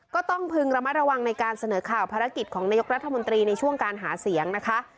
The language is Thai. ก็ต้องพึงระมัดระวังในการเสนอข่าวภารกิจของนายกรัฐมนตรีในช่วงการหาเสียงนะคะ